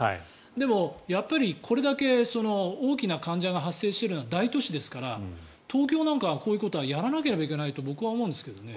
でもやっぱりこれだけ多くの患者が発生しているのは大都市ですから東京なんかはこういうことをやらなければいけないと僕は思うんですけどね。